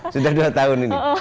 sudah dua tahun ini